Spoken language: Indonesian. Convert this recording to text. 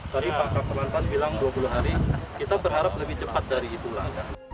tadi pak kapol lantas bilang dua puluh hari kita berharap lebih cepat dari itulah